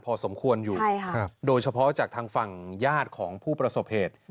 พอสมควรอยู่ใช่ค่ะโดยเฉพาะจากทางฝั่งญาติของผู้ประสบเหตุ